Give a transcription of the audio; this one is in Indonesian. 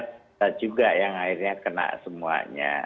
kita juga yang akhirnya kena semuanya